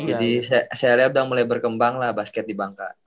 jadi srl udah mulai berkembang lah basket di bangka